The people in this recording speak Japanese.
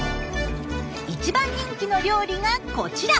一番人気の料理がこちら。